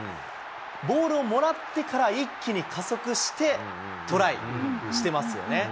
ボールをもらってから、一気に加速してトライしてますよね。